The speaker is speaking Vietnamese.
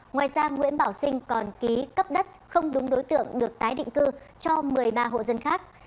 ngoài ra nguyễn bảo sinh còn ký cấp đất không đúng đối tượng được tái định cư cho một mươi ba hộ dân khác